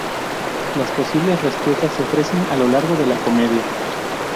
Las posibles respuestas se ofrecen a lo largo de la comedia.